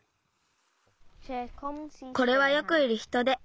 これはよくいるヒトデ。